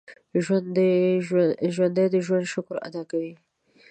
ژوندي د ژوند شکر ادا کوي